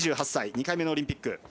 ２８歳、２回目のオリンピック。